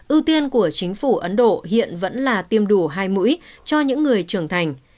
ưu tiên của chính phủ ấn độ hiện vẫn là tiêm đủ hai mũi cho những người trưởng thành